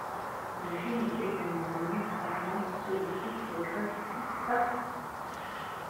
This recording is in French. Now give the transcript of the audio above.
Le film est également connu en France sous le titre Graffiti Party.